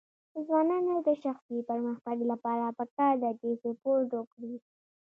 د ځوانانو د شخصي پرمختګ لپاره پکار ده چې سپورټ وکړي.